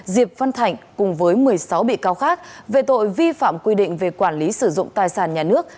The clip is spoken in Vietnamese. diệp văn thạnh cùng với một mươi sáu bị cáo khác về tội vi phạm quy định về quản lý sử dụng tài sản nhà nước